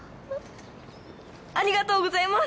ありがとうございます！